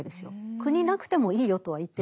国なくてもいいよとは言ってないんです。